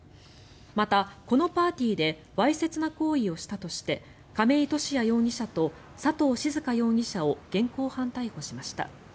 また、このパーティーでわいせつな行為をしたとして亀井俊哉容疑者と佐藤志津香容疑者を現行犯逮捕しました。